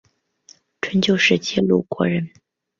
春秋时期鲁国人。